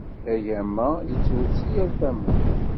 Agama yettwet si yal tama.